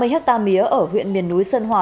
năm mươi ha mía ở huyện miền núi sơn hòa